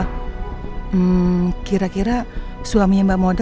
hmm kira kira suaminya mbak mode